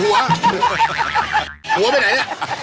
หัวไปไหนเนี่ย